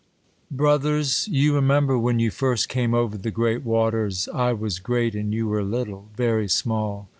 Brothers \ YOU remember, when you first came over the great waters, I was great and you were little ; very small.